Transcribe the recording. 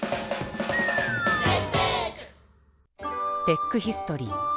テックヒストリー。